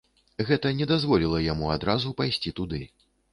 Гэта не дазволіла яму адразу пайсці туды.